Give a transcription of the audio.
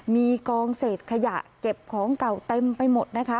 มีกองเศษขยะเก็บของเก่าเต็มไปหมดนะคะ